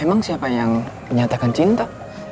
emang siapa yang menyatakan cinta